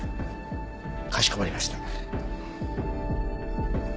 かしこまりました。